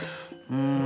うん。